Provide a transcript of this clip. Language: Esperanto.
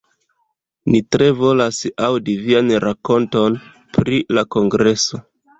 Ni tre volas aŭdi vian rakonton pri la kongreso.